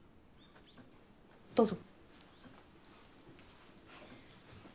どうぞ。